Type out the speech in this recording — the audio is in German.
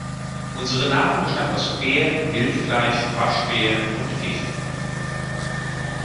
Unsere Nahrung bestand aus Bär, Wildfleisch, Waschbär und Fisch.